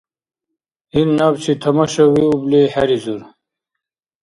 Ил набчи тамашавиубли хӀеризур.